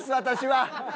私は。